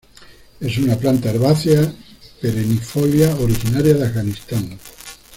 Es una planta herbácea perennifolia originaria de Afganistán.